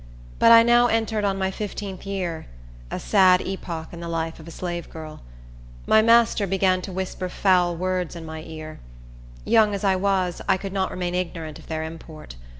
But I now entered on my fifteenth year—a sad epoch in the life of a slave girl. My master began to whisper foul words in my ear. Young as I was, I could not remain ignorant of their import.